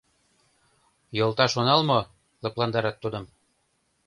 Йолташ онал мо? — лыпландарат тудым.